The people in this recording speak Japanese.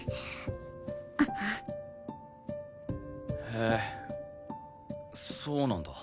へえそうなんだ。